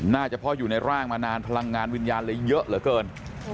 เฉพาะอยู่ในร่างมานานพลังงานวิญญาณเลยเยอะเหลือเกิน